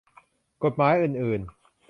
กฎหมายอื่นอื่น